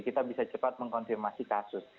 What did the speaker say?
kita bisa cepat mengkonfirmasi kasus